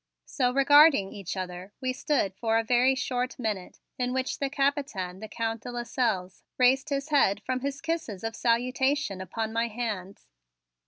So regarding each other, we stood for a very short minute in which the Capitaine, the Count de Lasselles, raised his head from his kisses of salutation upon my hands.